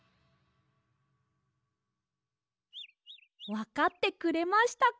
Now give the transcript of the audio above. わかってくれましたか？